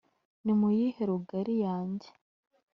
nimuyihe rugari yanjye